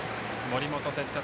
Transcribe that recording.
森本哲太